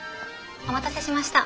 お待たせしました。